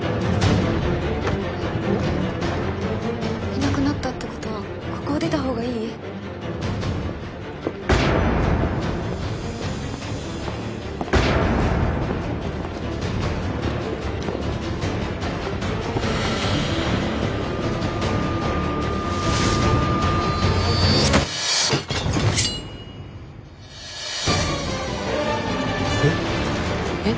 いなくなったってことはここを出た方がいい？え？